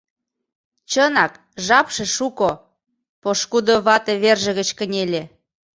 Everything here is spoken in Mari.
— Чынак, жапше шуко, — пошкудо вате верже гыч кынеле.